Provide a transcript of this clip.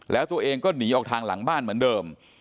แล้วตัวเองก็หนีออกทางหลังบ้านเหมือนเดิม